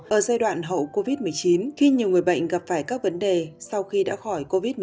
ở giai đoạn hậu covid một mươi chín khi nhiều người bệnh gặp phải các vấn đề sau khi đã khỏi covid một mươi chín